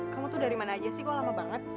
kamu tuh dari mana aja sih gue lama banget